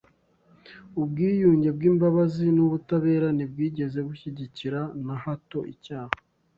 Ubwiyunge bw’imbabazi n’ubutabera ntibwigeze bushyigikira na hato icyaha